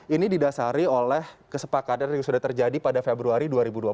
ini didasari oleh kesepakatan yang sudah terjadi pada februari dua ribu dua puluh